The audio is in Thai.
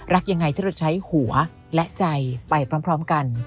รักยังไงที่เราใช้หัวและใจไปพร้อมกัน